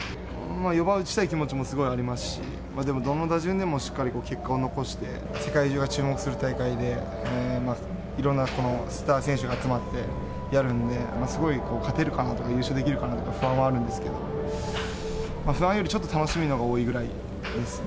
４番打ちたい気持ちもすごいありますし、でもどの打順でもしっかり結果を残して、世界中が注目する大会で、いろんなスター選手が集まってやるんで、すごい勝てるかなとか、優勝できるのかって不安はあるんですけど、不安よりちょっと楽しみのほうが多いぐらいですね。